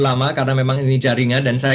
lama karena memang ini jaringan dan saya